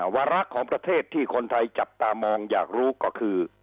วาระของประเทศที่คนไทยจับตามองอยากรู้ก็คือ